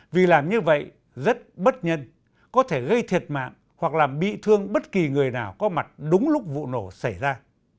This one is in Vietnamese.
vì làm như vậy rất bất nhân có thể gây thiệt mạng hoặc làm bị thương bất kỳ người nào có mặt đúng lúc vụ nổ xảy ra